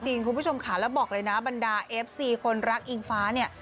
คุณผู้ชมค่ะแล้วบอกเลยนะบรรดาเอฟซีคนรักอิงฟ้าเนี่ย